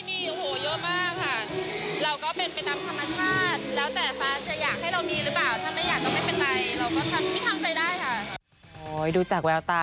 มีการคุยกับผู้จัดการแล้วว่า